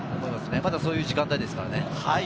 まだそういう時間帯ですからね。